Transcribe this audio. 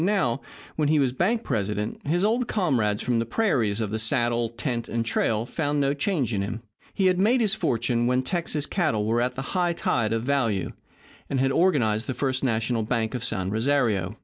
Now, when he was bank president, his old comrades from the prairies, of the saddle, tent, and trail found no change in him. He had made his fortune when Texas cattle were at the high tide of value, and had organized the First National Bank of San Rosario.